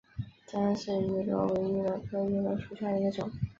姜氏芋螺为芋螺科芋螺属下的一个种。